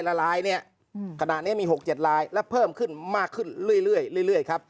ละลายเนี่ยขณะนี้มี๖๗ลายและเพิ่มขึ้นมากขึ้นเรื่อยครับ